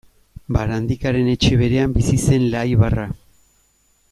Barandikaren etxe berean bizi zen Laibarra.